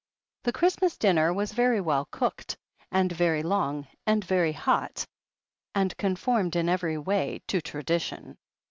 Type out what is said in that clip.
The Christmas dinner was very well cooked, and very long and very hot, and conformed in every way to tradition.